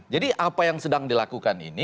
jadi apa yang sedang dilakukan ini